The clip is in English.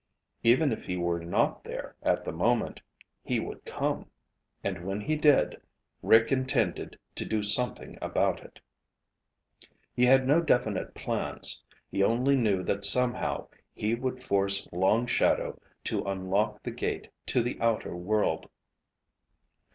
Even if he were not there at the moment, he would come. And when he did, Rick intended to do something about it. He had no definite plans. He only knew that somehow he would force Long Shadow to unlock the gate to the outer world.